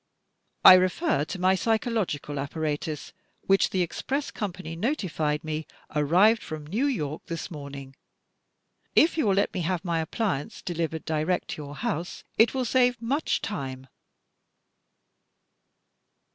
"I refer to my psychological apparatus which, the express company notified me, arrived from New York this morning. If you will let me have my appliance delivered direct to your house it will save much time."